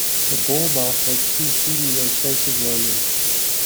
The ball mouse has two freely rotating rollers.